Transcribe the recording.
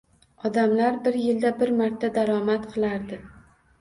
Odamlar bir yilda bir marta daromad qilardi.